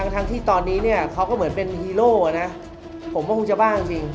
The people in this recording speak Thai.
ทั้งที่ตอนนี้เนี่ยเขาก็เหมือนเป็นฮีโร่นะผมก็คงจะบ้าจริง